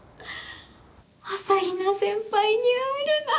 朝日奈先輩に会えるなんて！